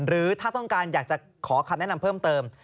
หรือถ้าต้องการอยากจะขอคำแนะนำเพิ่มเติม